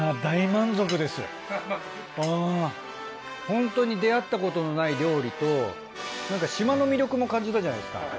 ホントに出会ったことのない料理と島の魅力も感じたじゃないですか。